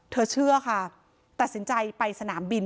เชื่อค่ะตัดสินใจไปสนามบิน